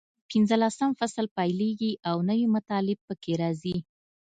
پینځلسم فصل پیلېږي او نوي مطالب پکې راځي.